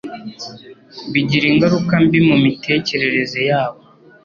bigira ingaruka mbi mu mitekerereze yabo;